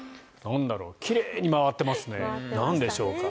奇麗に回ってますね。